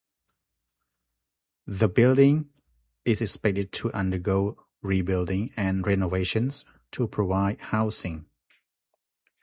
The building is expected to undergo rebuilding and renovations to provide housing.